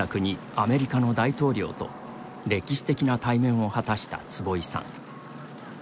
アメリカの大統領と歴史的な対面を果たした坪井さん。